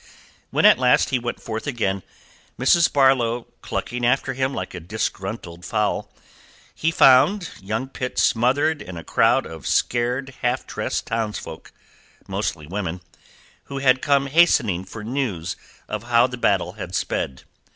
When at last he went forth again, Mrs. Barlow clucking after him like a disgruntled fowl, he found young Pitt smothered in a crowd of scared, half dressed townsfolk mostly women who had come hastening for news of how the battle had sped.